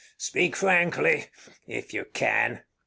Speak frankly if you can.